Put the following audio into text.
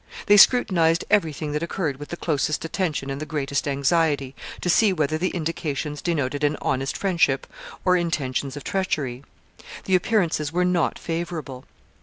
They scrutinized every thing that occurred with the closest attention and the greatest anxiety, to see whether the indications denoted an honest friendship or intentions of treachery. The appearances were not favorable.